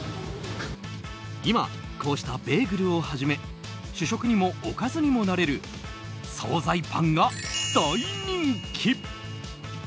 今、こうしたベーグルをはじめ主食にもおかずにもなれる総菜パンが大人気。